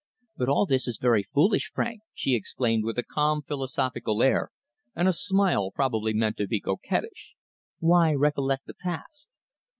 "But all this is very foolish, Frank," she exclaimed with a calm philosophical air and a smile probably meant to be coquettish. "Why recollect the past?"